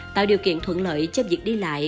tạo điều kiện thuận lợi cho việc đi lại